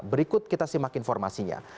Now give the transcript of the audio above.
berikut kita simak informasinya